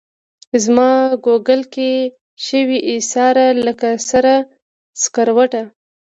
زماګوګل کي شوې ایساره لکه سره سکروټه